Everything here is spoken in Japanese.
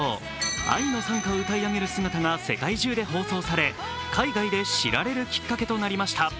「愛の讃歌」を歌い上げる姿が世界中で放送され海外で知られるきっかけとなりました。